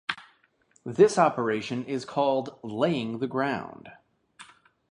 This operation is called laying the ground.